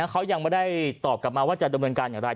เขายังไม่ได้ตอบกลับมาว่าจะดำเนินการอย่างไร